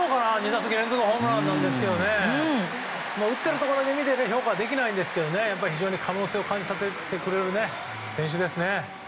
２打席連続ホームランですが打ってるところだけ見て評価はできないんですけど非常に可能性を感じさせてくれる選手ですね。